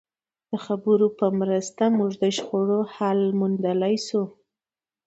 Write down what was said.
د خبرو په مرسته موږ د شخړو حل موندلای شو.